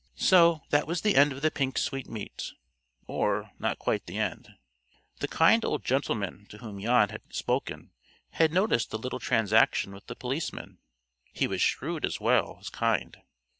So that was the end of the pink sweetmeat, or not quite the end. The kind old gentleman to whom Jan had spoken, had noticed the little transaction with the policeman. He was shrewd as well as kind.